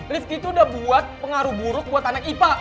rifqi tuh udah buat pengaruh buruk buat anak ipa